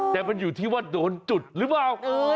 แต่มันอยู่ที่ว่าโดนจุดหรือเปล่า